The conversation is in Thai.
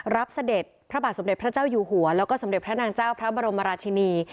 เสด็จพระบาทสมเด็จพระเจ้าอยู่หัวแล้วก็สมเด็จพระนางเจ้าพระบรมราชินี